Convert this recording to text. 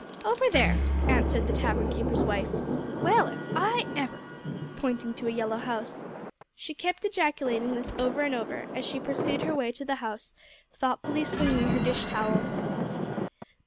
"Over there," answered the tavern keeper's wife. "Well, if I ever!" pointing to a yellow house. She kept ejaculating this over and over, as she pursued her way to the house, thoughtfully swinging her dish towel.